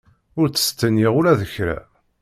Ur ttestenyiɣ ula d kra.